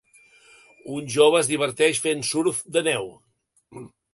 Un jove es diverteix fent surf de neu.